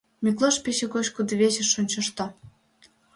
Миклош пече гоч кудывечыш ончышто.